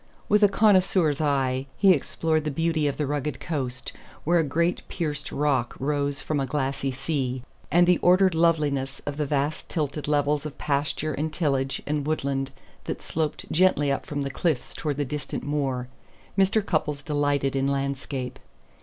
With a connoisseur's eye he explored the beauty of the rugged coast, where a great pierced rock rose from a glassy sea, and the ordered loveliness of the vast tilted levels of pasture and tillage and woodland that sloped gently up from the cliffs toward the distant moor. Mr. Cupples delighted in landscape.